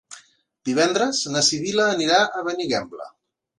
Divendres na Sibil·la anirà a Benigembla.